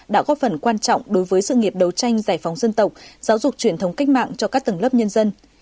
đã góp phần quan trọng đối với sự nghiệp đấu tranh giải phóng dân tộc giáo dục truyền thống cách mạng cho các tầng lớp nhân dân